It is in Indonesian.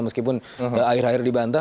meskipun akhir akhir dibantah